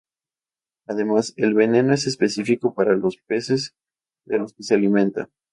Además, el veneno es específico para los peces de los que se alimenta.